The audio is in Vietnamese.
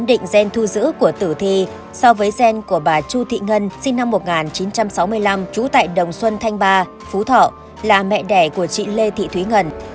giám đốc công an tỉnh vĩnh phúc đã quyết định gen thu giữ của tử thi so với gen của bà chu thị ngân sinh năm một nghìn chín trăm sáu mươi năm trú tại đồng xuân thanh ba phú thọ là mẹ đẻ của chị lê thị thúy ngân